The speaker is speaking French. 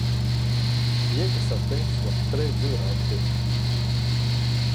Bien que certains soient très durs à obtenir.